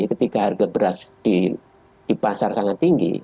ketika harga beras di pasar sangat tinggi